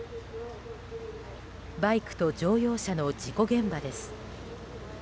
バイクと乗用車の事故現場です。